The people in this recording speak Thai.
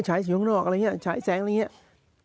ฉายสีข้างนอกอะไรอย่างเงี้ยฉายแสงอะไรอย่างเงี้ย